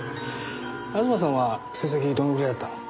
吾妻さんは成績どのぐらいだったの？